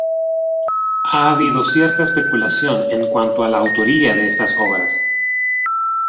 Ha habido cierta especulación en cuanto a la autoría de estas obras.